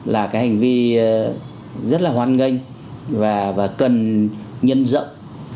là cái hành vi rất là hoan nghênh và cần nhân rộng